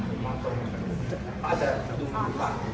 เขาอาจจะดูมือฝั่ง